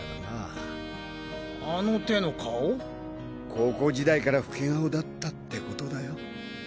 高校時代から老け顔だったってことだよ。